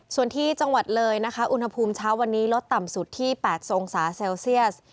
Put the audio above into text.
ส่วนที่จังหวัดเลยนะคะอุณหภูมิเช้าวันนี้ลดต่ำสุดที่๘องศาเซลเซียส